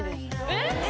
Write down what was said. えっ！？